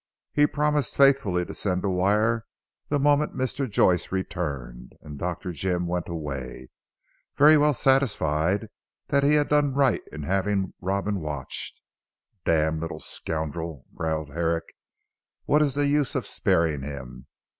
He promised faithfully to send a wire the moment Mr. Joyce returned, and Dr. Jim went away, very well satisfied that he had done right in having Robin watched. "Damned little scoundrel!" growled Herrick. "What is the use of sparing him?